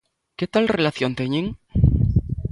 Que tal relación teñen?